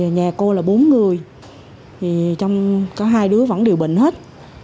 nhà cô là bốn người trong có hai đứa vẫn điều bệnh hết